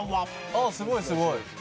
あっすごいすごい。